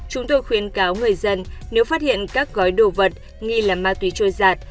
chúng tôi khuyên cáo người dân nếu phát hiện các gói đồ vật nghi là ma túy trôi giặt